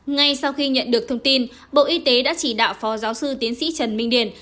ngay sau khi nhận được thông tin bộ y tế đã chỉ đạo phó giáo sư tiến sĩ trần minh điền